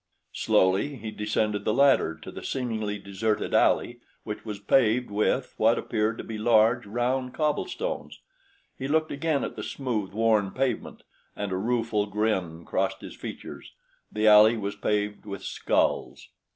Slowly he descended the ladder to the seemingly deserted alley which was paved with what appeared to be large, round cobblestones. He looked again at the smooth, worn pavement, and a rueful grin crossed his features the alley was paved with skulls.